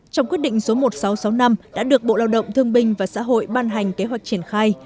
trong quyết định số một nghìn sáu trăm sáu mươi năm đã được bộ lao động thương binh và xã hội ban hành kế hoạch triển khai